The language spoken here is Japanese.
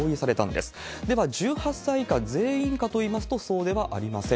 では、１８歳以下全員かといいますと、奏ではありません。